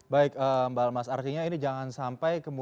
bantos pemberian program bantos